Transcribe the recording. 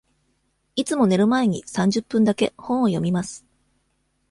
いつも寝る前に三十分だけ本を読みます。